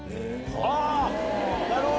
あっなるほど。